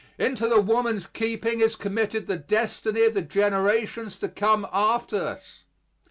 Into the woman's keeping is committed the destiny of the generations to come after us.